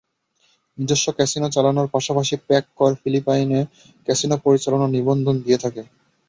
নিজস্ব ক্যাসিনো চালানোর পাশাপাশি প্যাগকর ফিলিপাইনে ক্যাসিনো পরিচালনার নিবন্ধন দিয়ে থাকে।